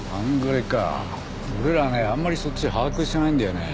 俺らねあんまりそっち把握してないんだよね。